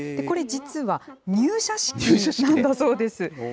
これ、実は入社式なんだそうです。